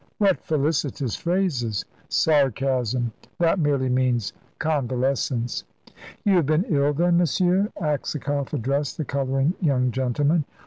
"What felicitous phrases!" "Sarcasm! That surely means convalescence." "You have been ill then, monsieur"; Aksakoff addressed the colouring young gentleman.